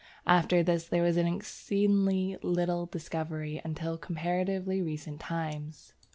After this there was exceedingly little discovery until comparatively recent times.